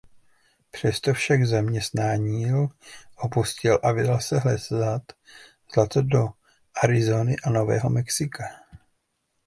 Přesto však zaměstnání opustil a vydal se hledat zlato do Arizony a Nového Mexika.